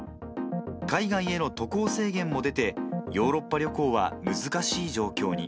海外への渡航制限も出て、ヨーロッパ旅行は難しい状況に。